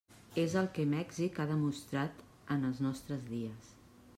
És el que Mèxic ha mostrat en els nostres dies.